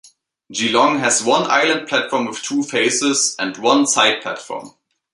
Geelong has one island platform with two faces, and one side platform.